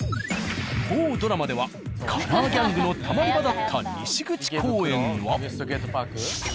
某ドラマではカラーギャングのたまり場だった西口公園は。